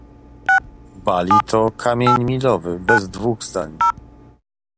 Bali to kamień milowy - bez dwóch zdań